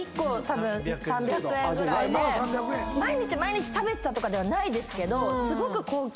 毎日食べてたとかではないですけどすごく。